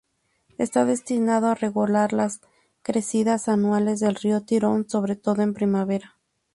Está destinado a regular las crecidas anuales del Río Tirón sobre todo en primavera.